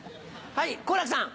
はい好楽さん。